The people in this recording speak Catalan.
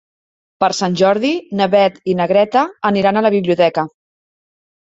Per Sant Jordi na Beth i na Greta aniran a la biblioteca.